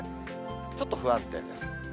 ちょっと不安定です。